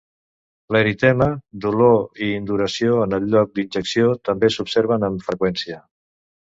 L'eritema, dolor i induració en el lloc d'injecció també s'observen amb freqüència.